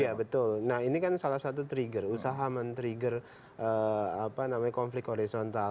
iya betul nah ini kan salah satu trigger usaha men trigger konflik horizontal